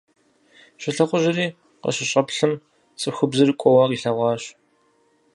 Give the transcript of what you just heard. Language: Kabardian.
Щолэхъужьри къыщыщӀэплъым, цӀыхубзыр кӀуэуэ къилъэгъуащ.